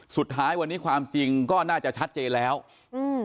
สุดท้ายวันนี้ความจริงก็น่าจะชัดเจนแล้วอืม